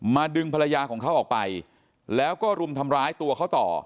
ดึงภรรยาของเขาออกไปแล้วก็รุมทำร้ายตัวเขาต่อ